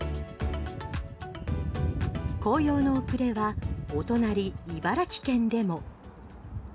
紅葉の遅れはお隣、茨城県でも。